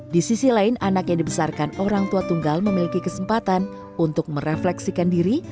di sisi lain anak yang dibesarkan orang tua tunggal memiliki kesempatan untuk merefleksikan diri